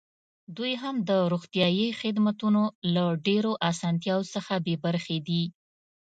دوی هم د روغتیايي خدمتونو له ډېرو اسانتیاوو څخه بې برخې دي.